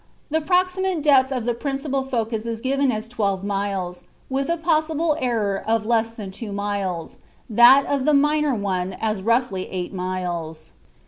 The approximate depth of the principal focus is given as twelve miles, with a possible error of less than two miles; that of the minor one as roughly eight miles.